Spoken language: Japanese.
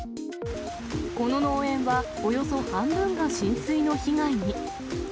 この農園は、およそ半分が浸水の被害に。